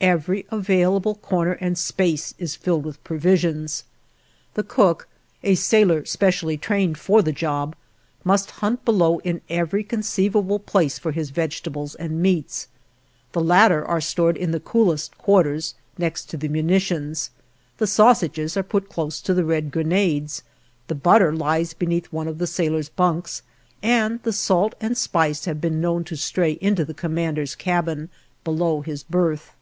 Every available corner and space is filled with provisions. The cook a sailor specially trained for the job must hunt below in every conceivable place for his vegetables and meats. The latter are stored in the coolest quarters, next to the munitions. The sausages are put close to the red grenades, the butter lies beneath one of the sailor's bunks, and the salt and spice have been known to stray into the commander's cabin, below his berth.